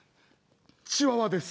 チワワです。